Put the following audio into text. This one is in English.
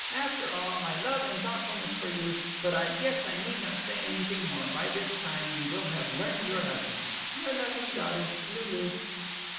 After all my love & thoughtfulness for you but I guess I need not say anything more, by this time you will have learned your lesson. Your loving daughter, LULU.